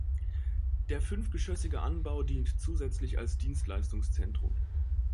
Der fünfgeschossige Anbau dient zusätzlich als Dienstleistungszentrum.